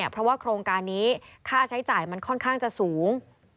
เพราะว่าโครงการนี้ค่าใช้จ่ายมันค่อนข้างจะสูง